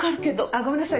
あっごめんなさい。